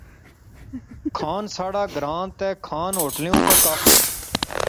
کھان ساڑھا گراں تے کھان ہوٹلے اوپر کافی